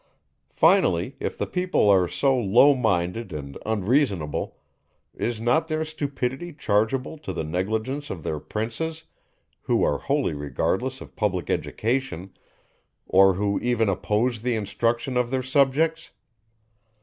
Finally, if the people are so low minded and unreasonable, is not their stupidity chargeable to the negligence of their princes, who are wholly regardless of public education, or who even oppose the instruction of their subjects?